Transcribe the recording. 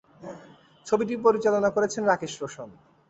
ছবিটি পরিচালনা করেছেন রাকেশ রোশন।